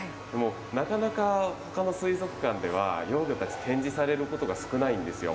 なかなかほかの水族館では、幼魚たち展示されることが少ないんですよ。